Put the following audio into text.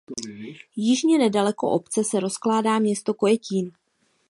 Jižně nedaleko obce se rozkládá město Kojetín.